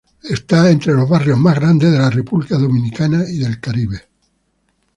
Está entre los barrios más grandes de la República Dominicana y el Caribe.